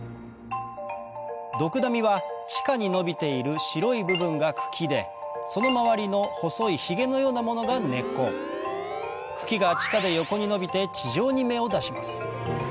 ドクダミは地下に伸びている白い部分が茎でその周りの細いヒゲのようなものが根っこ茎が地下で横に伸びて地上に芽を出します